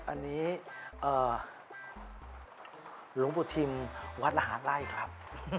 อันนี้หลวงพุทธิมวัดอาหารไร่ครับ